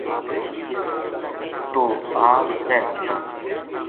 توہ آپ پہلاں چڑھ